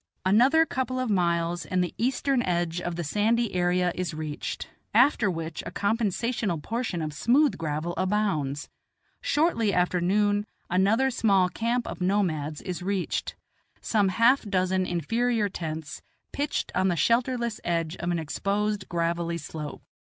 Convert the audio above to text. Another couple of miles and the eastern edge of the sandy area I is reached, after which a compensational proportion of smooth gravel abounds. Shortly after noon another small camp of nomads I is reached, some half dozen inferior tents, pitched on the shelterless edge of an exposed gravelly slope.